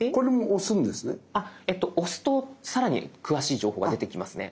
押すとさらに詳しい情報が出てきますね。